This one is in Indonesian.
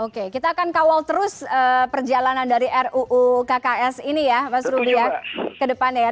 oke kita akan kawal terus perjalanan dari ruu kks ini ya mas rudy ya ke depannya ya